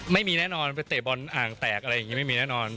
ไม่มีแน่นอนไปเตะบอลอ่างแตกอะไรอย่างนี้ไม่มีแน่นอน